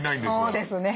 そうですね。